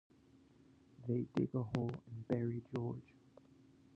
They dig a hole and bury George.